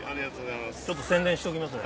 ちょっと宣伝しておきますね。